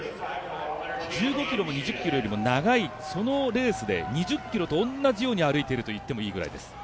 １５ｋｍも、２０ｋｍよりも長いそのレースで２０ｋｍと同じように歩いているといってもいいぐらい。